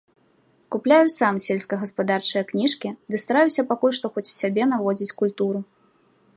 Купляю сам сельскагаспадарчыя кніжкі ды стараюся пакуль што хоць у сябе наводзіць культуру.